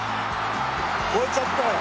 越えちゃったよ。